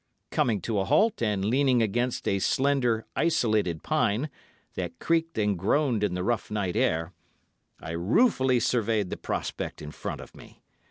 Coming to a halt, and leaning against a slender, isolated pine, that creaked and groaned in the rough night air, I ruefully surveyed the prospect in front of me.